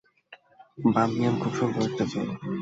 বামিয়ান খুব সুন্দর জায়গা।